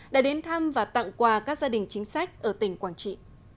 đã đến thăm và tặng quà các gia đình chính sách ở tỉnh quảng trị